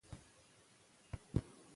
مور د ماشوم ورځنی نظم تنظيموي.